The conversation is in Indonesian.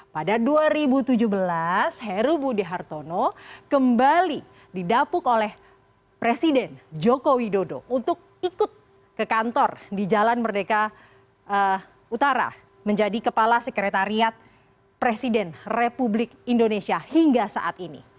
pada dua ribu tujuh belas heru budi hartono kembali didapuk oleh presiden joko widodo untuk ikut ke kantor di jalan merdeka utara menjadi kepala sekretariat presiden republik indonesia hingga saat ini